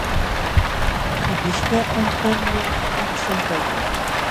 Awkishkaqpa tanwan wiksum kaykan.